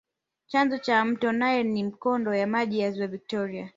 chanzo cha mto nile ni mikondo ya maji ya ziwa victoria